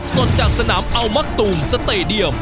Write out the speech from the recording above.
สดจากสนามอัลมักตูมสเตดียม